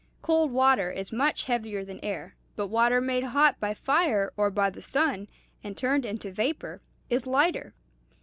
Cold water is much heavier than air; but water made hot by fire or by the sun, and turned into vapor, is lighter.